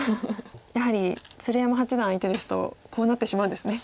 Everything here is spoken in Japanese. やはり鶴山八段相手ですとこうなってしまうんですね。